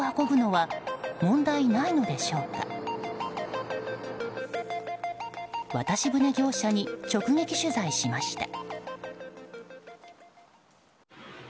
渡し船業者に直撃取材しました。